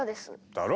だろ？